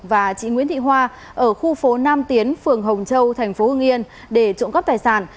và chị nguyễn thị hoa ở khu phố nam tiến phường hồng châu tp hưng yên để trộm cấp tài sản